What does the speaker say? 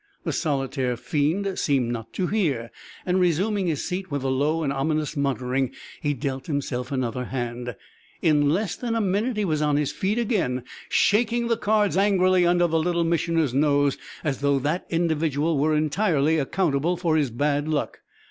The solitaire fiend seemed not to hear, and resuming his seat with a low and ominous muttering, he dealt himself another hand. In less than a minute he was on his feet again, shaking the cards angrily under the Little Missioner's nose as though that individual were entirely accountable for his bad luck.